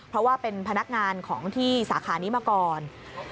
เพราะว่าเป็นพนักงานของที่สาขานี้มาก่อน